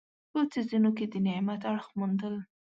په څیزونو کې د نعمت اړخ موندل.